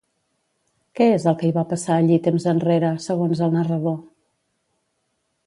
Què és el que hi va passar allí temps enrere, segons el narrador?